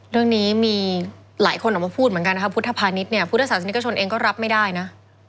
เรื่องนี้มีหลายคนออกมาพูดเหมือนกันนะครับพุทธภานิษฐ์เนี่ยพุทธศาสนิกชนเองก็รับไม่ได้นะ